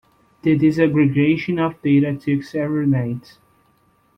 The disaggregation of data took several nights.